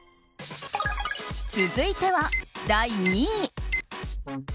続いては第２位。